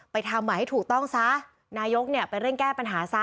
อไปทำไปให้ถูกต้องซะนายยกไปเร่งแก้ปัญหาซะ